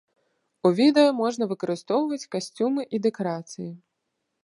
У відэа можна выкарыстоўваць касцюмы і дэкарацыі.